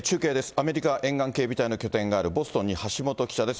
アメリカ沿岸警備隊の拠点があるボストンに橋本記者です。